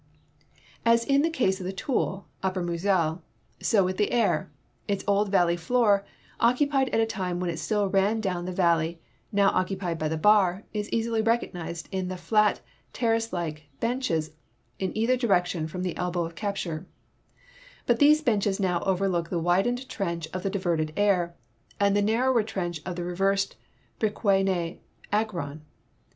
As in the case of the Toul (upper Moselle), so with the Aire ; its old valley floor, occupied at a time Avhen it still ran down the valley now occupied by the Bar, is easily recognized in the flat, terrace like benches in either direction from the elbow of caj) ture; but these benches now overlook the widened trench of the diverted Aire and the narrower trench of the reversed Bri<pie nay Agron.